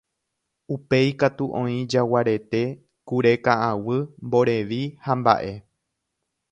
Upéi katu oĩ jaguarete, kure ka'aguy, mborevi hamba'e.